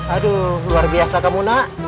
aduh luar biasa kamu nak